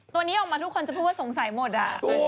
ตัวนี้ออกมาทุกคนจะพูดว่าสงสัยหมด